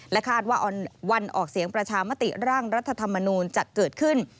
คาดว่าวันออกเสียงประชามติร่างรัฐธรรมนูลจะเกิดขึ้น